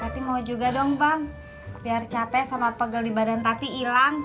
hati mau juga dong pak biar capek sama pegel di badan tati hilang